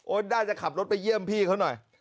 น่าจะขับรถไปเยี่ยมพี่เขาหน่อย